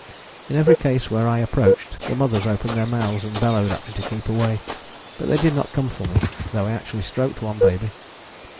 In every case where I approached, the mothers opened their mouths and bellowed at me to keep away, but they did not come for me though I actually stroked one baby.